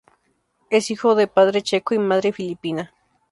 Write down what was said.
Es hijo de padre checo y madre filipina.